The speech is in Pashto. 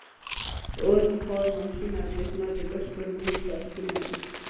• اور، بخار ماشین او برېښنا د بشر مهم کشفونه دي.